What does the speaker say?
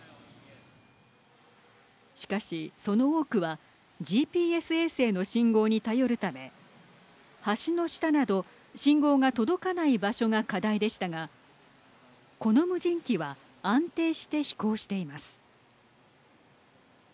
しかし、その多くはＧＰＳ衛星の信号に頼るため橋の下など、信号が届かない場所が課題でしたがこの無人機は安定して飛行しています。